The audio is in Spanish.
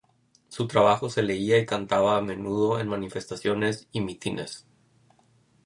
Su trabajo se leía y cantaba a menudo en manifestaciones y mítines".